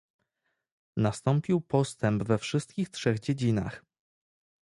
Nastąpił postęp we wszystkich trzech dziedzinach